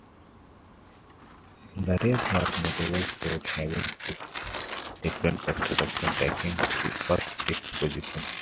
The race was notable for having six different constructors taking the first six positions.